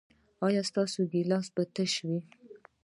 ایا ستاسو ګیلاس به تش وي؟